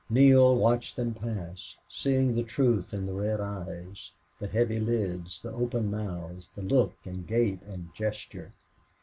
Neale watched them pass, seeing the truth in the red eyes, the heavy lids, the open mouths, the look and gait and gesture.